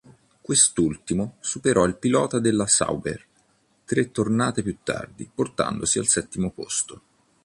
Quest'ultimo superò il pilota della Sauber tre tornate più tardi, portandosi al settimo posto.